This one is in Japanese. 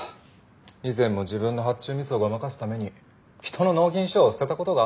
以前も自分の発注ミスをごまかすために人の納品書を捨てたことがあったので。